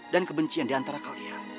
dan kebencian di antara kalian